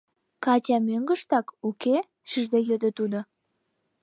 — Катя мӧҥгыштак, уке? — шижде йодо тудо.